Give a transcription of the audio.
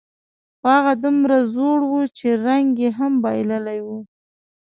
خو هغه دومره زوړ و، چې رنګ یې هم بایللی و.